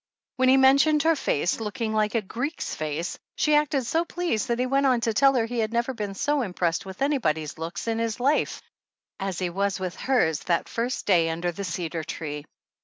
When he mentioned her face looking like a Greek's face she acted so pleased that he went on to tell her he had never been so impressed with anybody's looks in his life as he was with hers that first day under the cedar tree.